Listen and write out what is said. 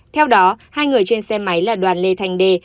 theo đó hai người trên xe máy là đoàn lê thanh đê